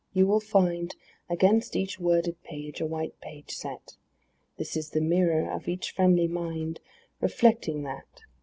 You will find Against each worded page a white page set: This is the mirror of each friendly mind Reflecting that.